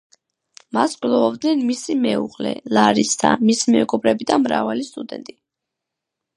მას გლოვობდნენ მისი მეუღლე, ლარისა, მისი მეგობრები და მრავალი სტუდენტი.